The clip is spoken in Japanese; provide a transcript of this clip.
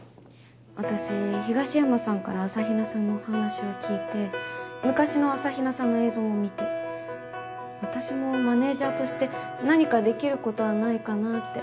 私東山さんから朝比奈さんのお話を聞いて昔の朝比奈さんの映像も見て私もマネージャーとして何かできることはないかなって。